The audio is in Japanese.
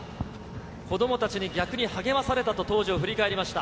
子どもたちに逆に励まされたと、当時を振り返りました。